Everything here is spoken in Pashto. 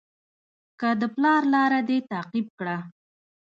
که د پلار لاره دې تعقیب کړه.